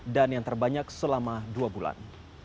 dan yang terbanyak selama dua bulan